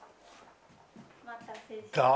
お待たせしました。